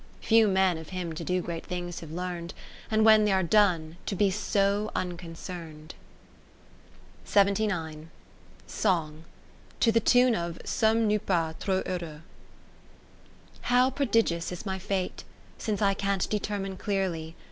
Few men of him to do great things have learn'd. And when th' are done, to be so unconcern'd. 30 Song To the Tune of Sommes nous pas trap heureiix I How prodigious is my fate. Since I can't determine clearly.